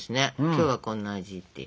今日はこんな味って。